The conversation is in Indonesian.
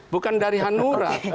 bukan dari hanura